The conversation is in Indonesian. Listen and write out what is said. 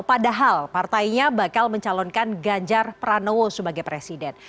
padahal partainya bakal mencalonkan ganjar pranowo sebagai presiden